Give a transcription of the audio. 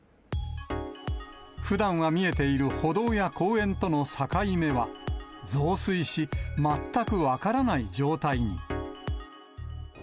ふだんは見えている歩道や公園との境目は、増水し、全く分からない状態に。